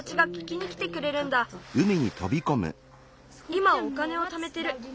いまお金をためてる。